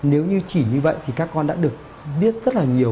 nếu như chỉ như vậy thì các con đã được biết rất là nhiều